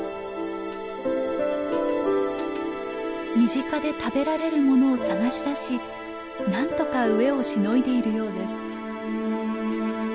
身近で食べられるものを探し出しなんとか飢えをしのいでいるようです。